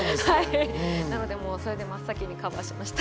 なので、それで真っ先にカバーしました。